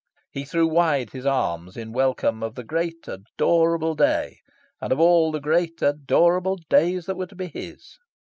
He threw wide his arms in welcome of the great adorable day, and of all the great adorable days that were to be his.